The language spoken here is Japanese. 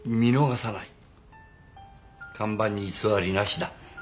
看板に偽りなしだ。